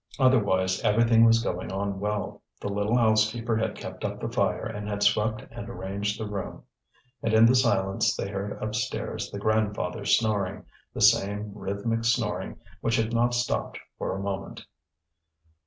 Otherwise everything was going on well; the little housekeeper had kept up the fire and had swept and arranged the room. And in the silence they heard upstairs the grandfather's snoring, the same rhythmic snoring which had not stopped for a moment.